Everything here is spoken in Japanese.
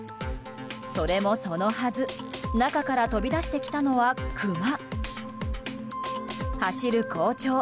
それもそのはず中から飛び出してきたのはクマ！